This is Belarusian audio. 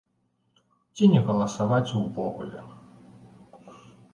Ці не галасаваць увогуле.